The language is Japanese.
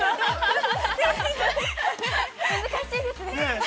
難しいですね。